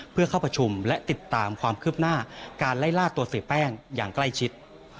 เพื่อเข้าประชุมและติดตามความคืบหน้าการไล่ล่าตัวเสียแป้งอย่างใกล้ชิด